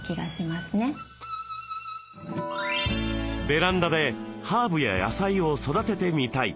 ベランダでハーブや野菜を育ててみたい。